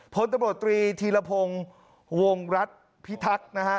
พลตำรวจตรีธีรพงศ์วงรัฐพิทักษ์นะฮะ